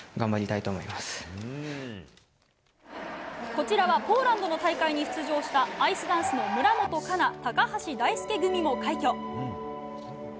こちらはポーランドの大会に出場したアイスダンスの村元哉中、高橋大輔組も快挙。